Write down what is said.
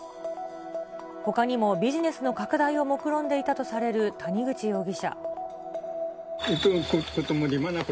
ほかにもビジネスの拡大をもくろんでいたとされる谷口容疑者。